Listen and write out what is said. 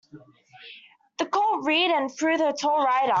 The colt reared and threw the tall rider.